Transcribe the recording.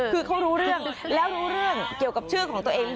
คือเขารู้เรื่องแล้วรู้เรื่องเกี่ยวกับชื่อของตัวเอง